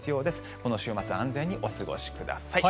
この週末安全にお過ごしください。